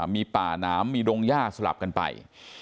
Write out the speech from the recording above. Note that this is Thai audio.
มีป่าน้ำมีดงย่าสลับกันไป